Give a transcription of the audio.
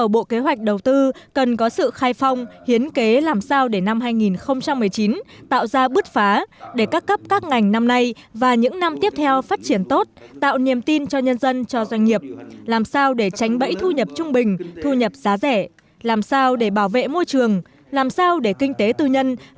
bộ kế hoạch và đầu tư đã báo cáo nhiệm vụ này với thủ tướng nguyễn xuân phúc vào sáng nay